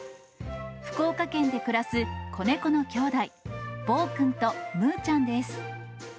福岡県で暮らす子猫のきょうだい、ぼーくんとむーちゃんです。